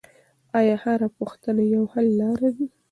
آیا هره پوښتنه یو حل لري؟